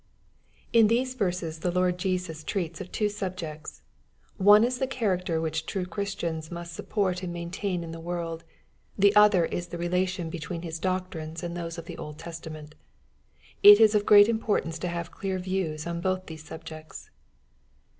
36 EXPOSITOBY THOUGHTS. Ik these yerses the Lord Jesus treats of two subjeotfi. One is the character which true Christians must support and maintain in the world. The other is the relation between His doctrines and those of the Old Testament. It is of great importance to have clear views on both these subjects.